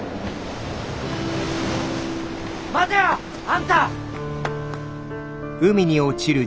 待てよあんた！